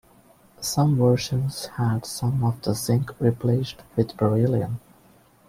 Some versions had some of the zinc replaced with beryllium.